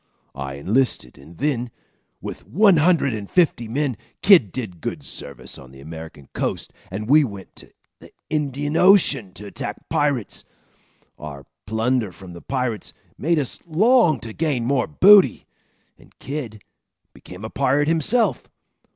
I enlisted and then, with one hundred and fifty men, Kidd did good service on the American coast, and we went to the Indian Ocean to attack pirates. Our plunder from the pirates made us long to gain more booty, and Kidd became a pirate himself.